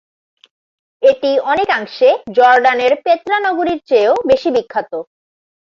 এটি অনেকাংশে জর্ডানের পেত্রা নগরীর চেয়েও বেশি বিখ্যাত।